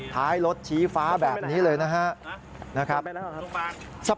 ท้ายรถชี้ฟ้าแบบนี้เลยนะครับ